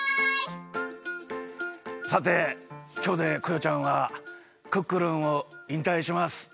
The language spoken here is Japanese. さてきょうでクヨちゃんはクックルンをいんたいします。